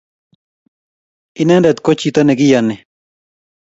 Inendet ko chito ne kiyani